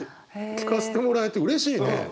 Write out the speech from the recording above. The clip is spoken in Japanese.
聞かせてもらえてうれしいね。